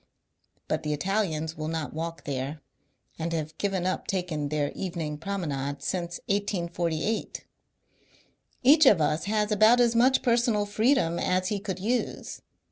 But the Italians will not walk there, and have given up their evening promenade since 1848. E^h of us has abont as much personal freedom as he could use.